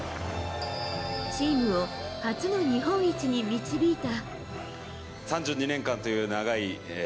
チームを初の日本一に導いた。